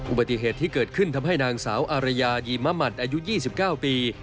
อุบัติเหตุที่เกิดขึ้นทำให้นางสาวอารยายีมะหมัดอายุ๒๙ปี